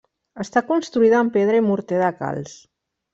Està construïda amb pedra i morter de calç.